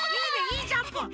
いいジャンプ！